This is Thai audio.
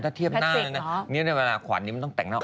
ถ้าเทียบหน้านะในเวลาขวัญนี้มันต้องแต่งหน้าออก